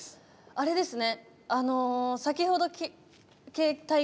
あれですね